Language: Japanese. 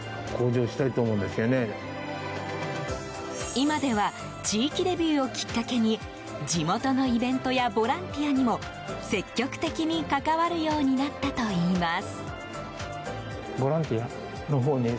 今では地域デビューをきっかけに地元のイベントやボランティアにも積極的に関わるようになったといいます。